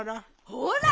ほら！